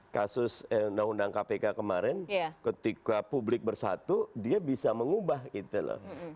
kasus undang undang kpk kemarin ketika publik bersatu dia bisa mengubah gitu loh